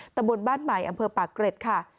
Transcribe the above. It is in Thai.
ตำบลบ้านใหม่อำเภอปากเกร็ดค่ะ